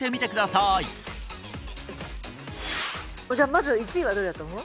まず１位はどれだと思う？